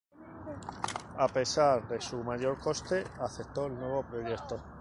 A pesar de su mayor coste, aceptó el nuevo proyecto.